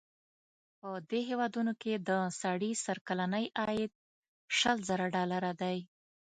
په دې هېوادونو کې د سړي سر کلنی عاید شل زره ډالره دی.